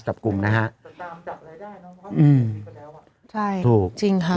จับกลุ่มนะฮะตามจับเลยได้เนอะเพราะว่าอืมใช่ถูกจริงครับ